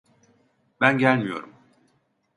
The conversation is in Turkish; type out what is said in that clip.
Ben gelmiyorum.